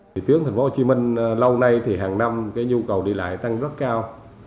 thời tiết tp hcm lâu nay thì hàng năm nhu cầu đi lại tăng rất cao